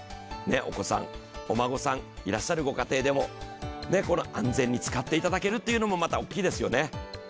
お子さん、お孫さんいらっしゃるご家庭でも安全に使っていただけるのも、また大きいですよね。